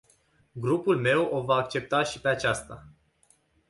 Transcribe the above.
Grupul meu o va accepta și pe aceasta.